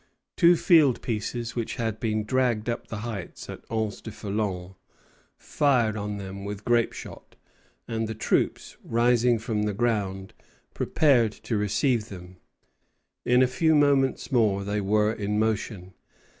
Two field pieces, which had been dragged up the heights at Anse du Foulon, fired on them with grape shot, and the troops, rising from the ground, prepared to receive them. In a few moments more they were in motion.